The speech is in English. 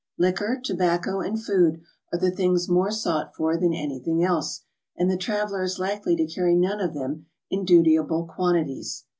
Liquor, tobacco, and food are the things more sought for than anything else, and the traveler is likely to carry none of them in dutiable quan tities.